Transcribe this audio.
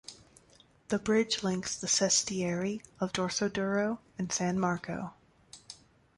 The bridge links the sestieri of Dorsoduro and San Marco.